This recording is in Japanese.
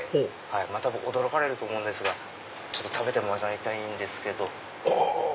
また驚かれると思うんですが食べてもらいたいんですけど。